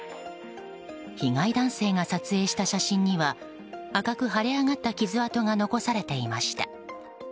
被害男性が撮影した写真には赤く腫れ上がった傷痕が残されていました。